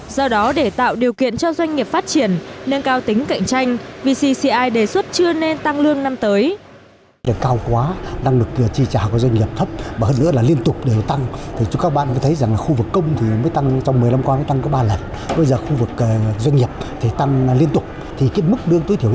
do đó để tạo điều kiện cho doanh nghiệp phát triển nâng cao tính cạnh tranh vcci đề xuất chưa nên tăng lương năm tới